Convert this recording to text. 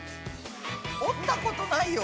折ったことないよ。